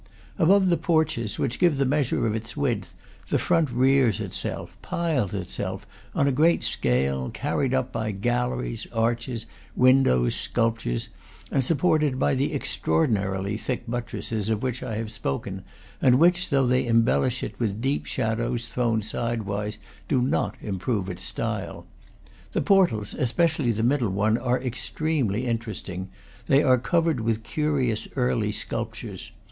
Above the porches, which give the measure of its width, the front rears itself, piles itself, on a great scale, carried up by gal leries, arches, windows, sculptures, and supported by the extraordinarily thick buttresses of which I have spoken, and which, though they embellish it with deep shadows thrown sidewise, do not improve its style. The portals, especially the middle one, are extremely interesting; they are covered with curious early sculp tures.